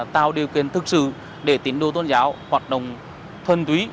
tạo điều kiện thực sự để tín đồ tôn giáo hoạt động thuần túy